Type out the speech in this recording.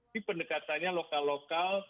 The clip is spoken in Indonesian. di pendekatannya lokal lokal